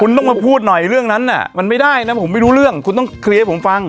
คุณต้องมาพูดหน่อยเรื่องนั้นน่ะมันไม่ได้นะผมไม่รู้เรื่องคุณต้องเคลียร์ให้ผมฟัง